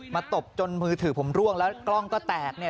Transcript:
ตบจนมือถือผมร่วงแล้วกล้องก็แตกเนี่ย